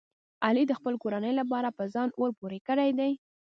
علي د خپلې کورنۍ لپاره په ځان اور پورې کړی دی.